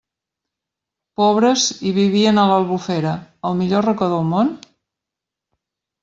Pobres i vivien a l'Albufera, el millor racó del món?